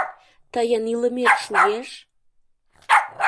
Тыйын илымет шуэш?